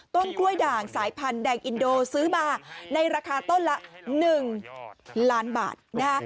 ต้นกล้วยด่างสายพันธุ์แดงอินโดซื้อมาในราคาต้นละ๑ล้านบาทนะฮะ